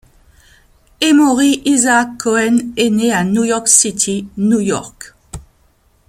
Emory Isaac Cohen est né à New York City, New York.